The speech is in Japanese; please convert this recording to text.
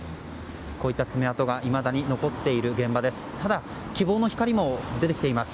こういった爪痕がいまだに残っている現場です。